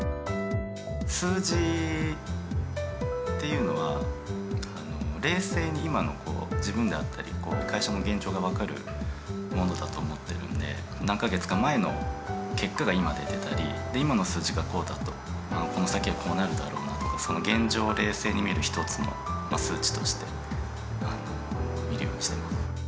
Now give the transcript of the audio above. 数字っていうのは冷静に今の自分であったり会社の現状が分かるものだと思ってるんで何か月か前の結果が今出てたり今の数字がこうだとこの先はこうなるだろうなとかその現状を冷静に見る１つの数値として見るようにしてます。